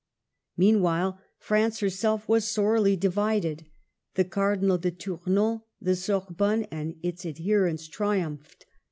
Meanwhile, France herself was sorely divided. The Cardinal de Tournon, the Sorbonne, and its adherents triumphed.